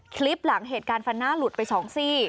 คลิปหลังเหตุการณ์ฟันหน้าหลุดไป๒ซี่